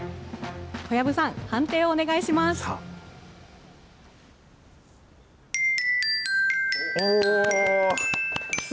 小籔さん、判定をお願いします。